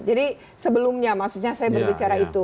jadi sebelumnya maksudnya saya berbicara itu